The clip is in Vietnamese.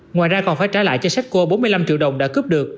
ngoài ra còn phải trả lại cho setsko bốn mươi năm triệu đồng đã cướp được